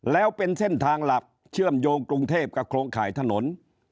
แล้วเป็นเส้นทางหลักเชื่อมโยงกรุงเทพกับโครงข่ายถนน